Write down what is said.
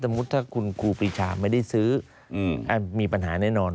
ถ้าคุณครูปีชาไม่ได้ซื้อมีปัญหาแน่นอน